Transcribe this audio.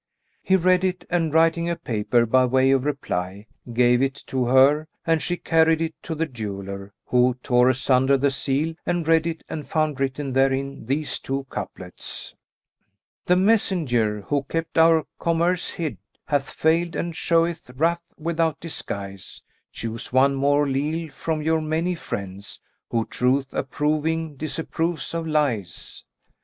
He read it and writing a paper by way of reply, gave it to her; and she carried it to the jeweller, who tore asunder the seal[FN#206] and read it and found written therein these two couplets, "The messenger, who kept our commerce hid, * Hath failed, and showeth wrath without disguise;[FN#207] Choose one more leal from your many friends * Who, truth approving, disapproves of lies.